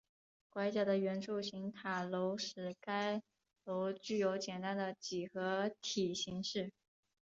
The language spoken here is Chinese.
拐角的圆柱形塔楼使该楼具有简单的几何体形式。